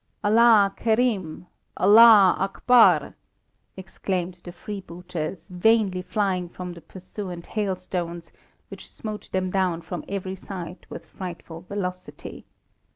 "Allah Kerim! Allah Akbar!" exclaimed the freebooters, vainly flying from the pursuant hailstones, which smote them down from every side with frightful velocity.